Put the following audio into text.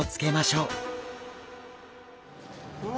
うわ！